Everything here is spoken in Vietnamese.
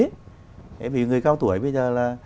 thế vì người cao tuổi bây giờ là